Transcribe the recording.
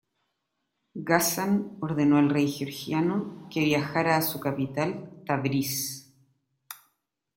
Ghazan ordenó al rey Georgiano que viajara a su capital Tabriz.